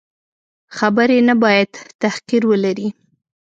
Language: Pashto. خبرې نه باید تحقیر ولري.